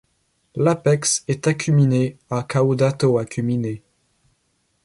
L'apex est acuminé à caudato-acuminé.